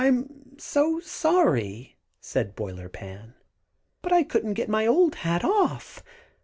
"] "I'm so sorry," said Boiler Pan, "but I really couldn't get my old hat off.